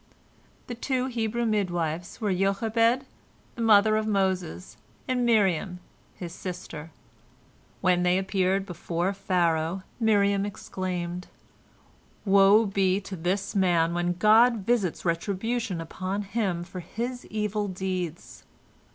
The two Hebrew midwives were Jochebed, the mother of Moses, and Miriam, his sister. When they appeared before Pharaoh, Miriam exclaimed: "Woe be to this man when God visits retribution upon him for his evil deeds."